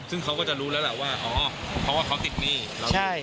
ซึ่งเขาก็จะรู้แล้วแหละว่าอ๋อเพราะว่าเขาติดหนี้